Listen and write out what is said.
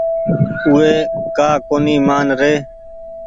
اُو وي ڪآ ڪونيٚ مآن ري۔